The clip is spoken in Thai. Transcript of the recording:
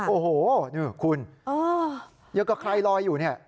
โอ้โหคุณเยอะกว่าใครลอยอยู่เนี่ย